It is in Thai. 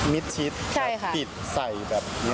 มิดชิดปิดใส่